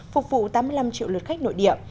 phục vụ tám mươi năm triệu lượt khách nội địa